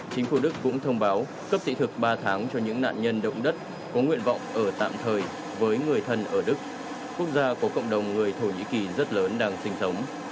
chính phủ đức cũng thông báo cấp thị thực ba tháng cho những nạn nhân động đất có nguyện vọng ở tạm thời với người thân ở đức quốc gia có cộng đồng người thổ nhĩ kỳ rất lớn đang sinh sống